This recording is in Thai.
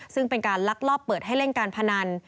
ซึ่งเป็นการลักลอบเปิดให้เล่นการพนัน